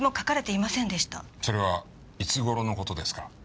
それはいつ頃の事ですか？